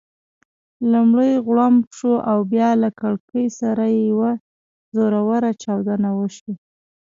لومړی غړومب شي او بیا له کړېکې سره یوه زوروره چاودنه وشي.